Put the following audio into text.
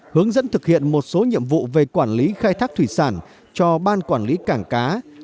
hướng dẫn thực hiện một số nhiệm vụ về quản lý khai thác thủy sản cho ban quản lý cảng cá